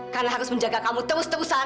karena harus menjaga kamu terus terusan